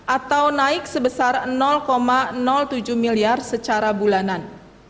atau naik sebesar tujuh miliar secara bulanan